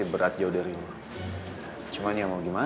itu maksudnya si ah